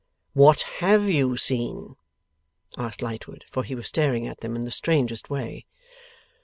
'What HAVE you seen?' asked Lightwood. For, he was staring at them in the strangest way.